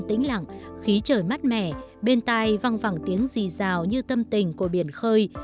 tính lặng khí trời mát mẻ bên tai văng vẳng tiếng rì rào như tâm tình của biển khơi